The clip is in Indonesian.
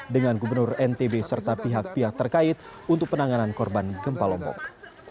dengan gubernur ntb serta pihak pihak terkait untuk penanganan korban gempa lombok